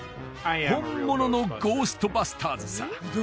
本物のゴーストバスターズさ！